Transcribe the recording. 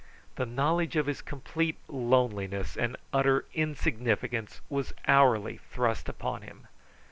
The knowledge of his complete loneliness and utter insignificance was hourly thrust upon him.